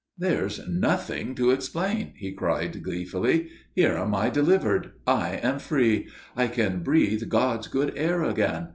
"There's nothing to explain," he cried, gleefully. "Here am I delivered. I am free. I can breathe God's good air again.